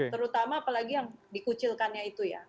terutama apalagi yang dikucilkannya itu ya